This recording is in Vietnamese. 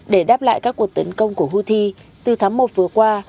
để đáp lại các cuộc tấn công của houthi từ tháng một vừa qua